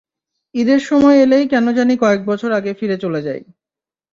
ঈদের সময় এলেই কেন জানি কয়েক বছর আগে ফিরে চলে যাই।